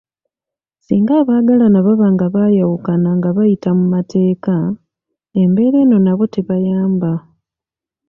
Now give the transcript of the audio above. Singa abaagalana baba nga baayawukana nga bayita mu mateeka, embeera eno nabo tebayamba.